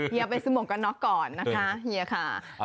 เฮียไปซึมหมวกกันเนาะก่อนนะคะเฮียครับ